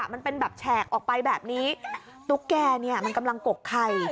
มันเป็นแบบแฉกออกไปแบบนี้ตุ๊กแกเนี่ยมันกำลังกกไข่